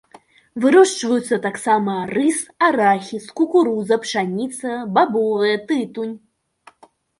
Вырошчваюцца таксама рыс, арахіс, кукуруза, пшаніца, бабовыя, тытунь.